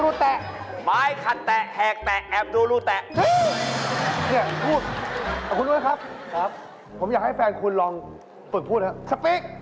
ขอบคุณด้วยครับครับผมอยากให้แฟนคุณลองฝึกพูดนะครับสปีก